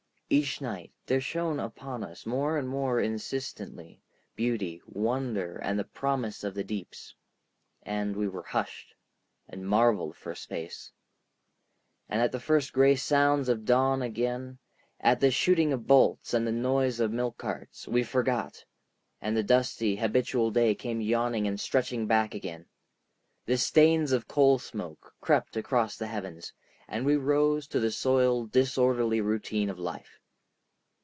Each night, there shone upon us more and more insistently, beauty, wonder, the promise of the deeps, and we were hushed, and marveled for a space. And at the first gray sounds of dawn again, at the shooting of bolts and the noise of milk carts, we forgot, and the dusty habitual day came yawning and stretching back again. The stains of coal smoke crept across the heavens, and we rose to the soiled disorderly routine of life.